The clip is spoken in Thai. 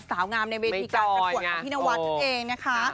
สาวงามในเวทีการประกวดของพี่นวัดนั่นเองนะคะ